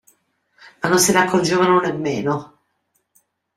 Ma non se ne accorgevano né meno.